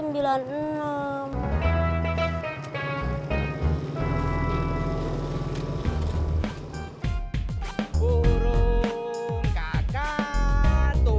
burung kakak tua